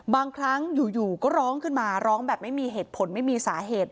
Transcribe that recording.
บางครั้งอยู่ก็ร้องขึ้นมาร้องแบบไม่มีเหตุผลไม่มีสาเหตุ